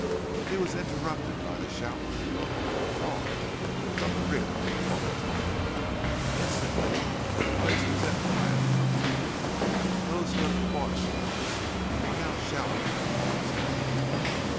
He was interrupted by the shout of "Fraud!" from the rear of the auditorium. Instantly the place was in a violent uproar, those who had applauded the loudest were now shouting for Paul's head.